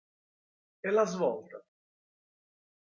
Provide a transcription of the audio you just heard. È la svolta.